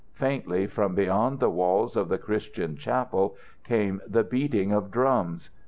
Faintly, from beyond the walls of the Christian chapel came the beating of drums.